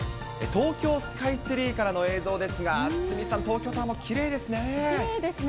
東京スカイツリーからの映像ですが、鷲見さん、東京タワーもきれきれいですね。